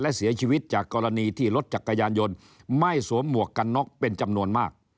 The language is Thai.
และเสียชีวิตจากกรณีที่รถจักรยานยนต์ไม่สวมหมวกกันน็อกเป็นจำนวนมาก